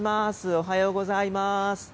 おはようございます。